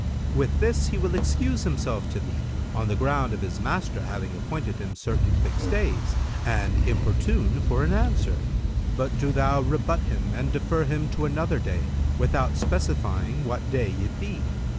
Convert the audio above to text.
With this he will excuse himself to thee, on the ground of his master having appointed him certain fixed days, and importune for an answer; but do thou rebut him and defer him to another day, without specifying what day it be.